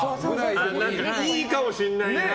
いいかもしんないな。